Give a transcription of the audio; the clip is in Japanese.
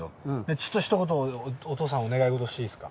ちょっとひと言お父さんお願い事していいですか？